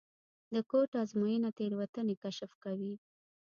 د کوډ ازموینه تېروتنې کشف کوي.